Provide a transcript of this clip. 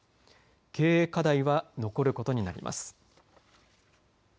経営課題は残ることになります。